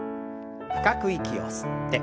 深く息を吸って。